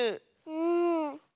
うん。